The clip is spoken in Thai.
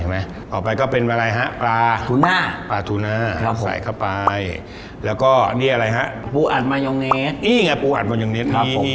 ต่อไปก็เป็นอะไรครับปลาทูน่าแส่เข้าไปนี่อะไรฮะปูอ่ดมายองเนส